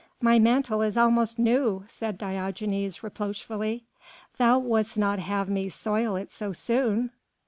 "My mantle is almost new," said Diogenes reproachfully; "thou would'st not have me soil it so soon?"